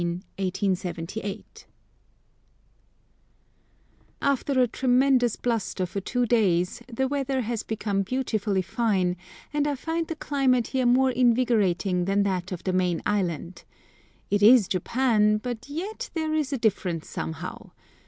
HAKODATÉ, YEZO, August 13, 1878 AFTER a tremendous bluster for two days the weather has become beautifully fine, and I find the climate here more invigorating than that of the main island. It is Japan, but yet there is a difference somehow.